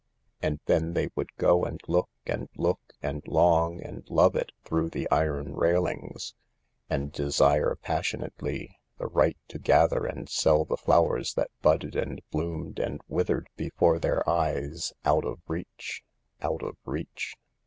And then they would go and look and look and long and love it through its iron railings, and desire passionately the right to gather and sell the flowers that budded and bloomed and withered before their eyes out of reach— out of reach.